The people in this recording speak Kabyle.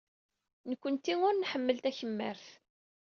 Nekkenti ur nḥemmel takemmart.